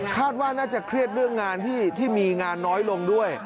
ว่าน่าจะเครียดเรื่องงานที่มีงานน้อยลงด้วย